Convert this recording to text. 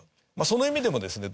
その意味でもですね